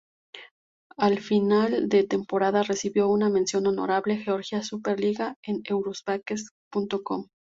A final de temporada recibió una "mención honorable" Georgian Super Liga por "Eurobasket.com".